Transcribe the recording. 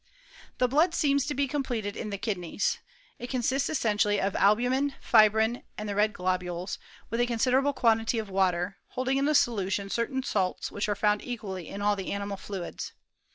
The blood seems to be completed in the kidneys. It consists essentially of albumen, fibrin, and the ced globules, with a considerable quantity of waler, holding in solution certain salts which are fouod equdly in aU the animal fluids.